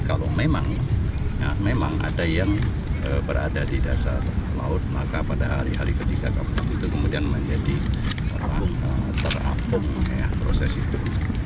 kalau memang ada yang berada di dasar laut maka pada hari hari ketiga keempat itu kemudian menjadi terapung proses itu